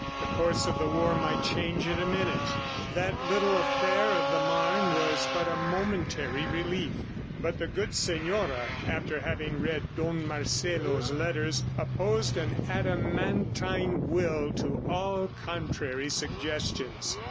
The course of the war might change at any minute; that little affair of the Marne was but a momentary relief. ... But the good senora, after having read Don Marcelo's letters, opposed an adamantine will to all contrary suggestions.